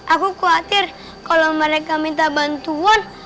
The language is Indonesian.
aku khawatir kalau mereka minta bantuan